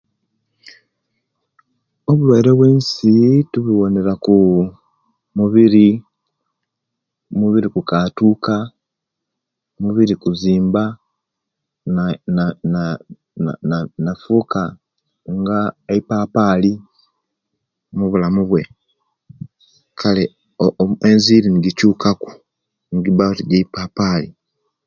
Obulwaire obwensi tubuwonera ku mubiri, mubiri kukatuka, mubiri kuzimba, na na na nafuka nga eipapali mubulamubwe kale enziri nijikyukaki negiba oti jeipapali